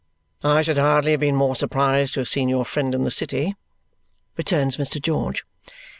"I should hardly have been more surprised to have seen your friend in the city," returns Mr. George.